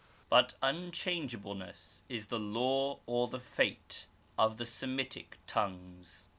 But unchangeableness is the law or the fate of the Semitic tongues.